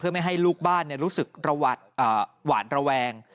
ไม่ให้ลูกบ้านรู้สึกหวานระแวง